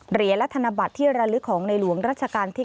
เหรียญและธนบัตรที่ระลึกของในหลวงรัชกาลที่๙